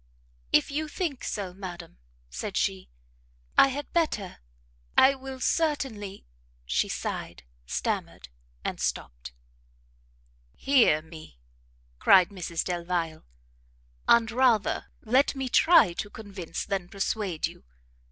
"If you think so, madam," said she, "I had better I will certainly " she sighed, stammered, and stopt. "Hear me," cried Mrs Delvile, "and rather let me try to convince than persuade you.